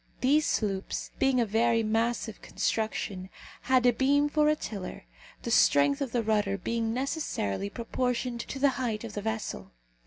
These sloops, being of very massive construction, had a beam for a tiller, the strength of the rudder being necessarily proportioned to the height of the vessel.